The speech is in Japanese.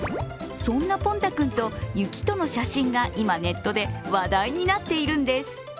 そんなポンタ君と雪との写真が今、ネットで話題になっているんです。